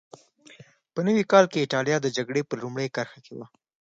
په نوي کال کې اېټالیا د جګړې په لومړۍ کرښه کې وه.